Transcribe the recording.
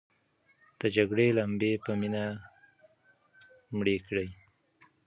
د جګړې لمبې په مینه مړې کړئ.